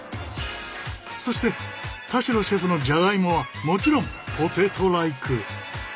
そして田代シェフのじゃがいもはもちろんポテトライク。